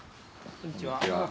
こんにちは。